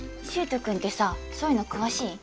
柊人君ってさそういうの詳しい？